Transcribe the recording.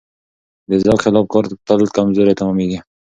د ذوق خلاف کار تل کمزوری تمامېږي.